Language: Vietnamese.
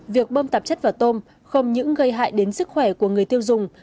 việc bơm tạp chất vào tôm không những gây hại đến sức khỏe của người tiêu dùng